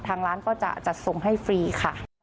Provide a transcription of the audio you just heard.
ทางร้านก็จะจัดส่งให้ฟรีค่ะ